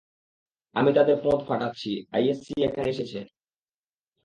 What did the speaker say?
আমি তাদের পোঁদ ফাটাচ্ছি, আইএসসি এখানে এসেছে!